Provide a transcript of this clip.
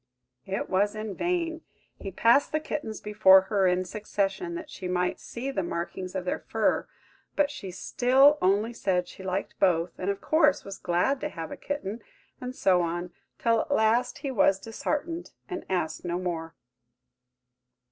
..... It was in vain! He passed the kittens before her in succession, that she might see the markings of their fur, but she still only said she liked both, and, of course, was glad to have a kitten, and so on; till, at last, he was disheartened, and asked no more.